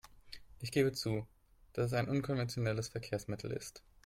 Ich gebe zu, dass es ein unkonventionelles Verkehrsmittel ist.